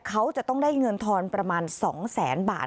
เขาจะต้องได้เงินทอนประมาณ๒แสนบาท